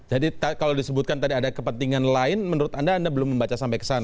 jadi kalau disebutkan tadi ada kepentingan lain menurut anda anda belum membaca sampai ke sana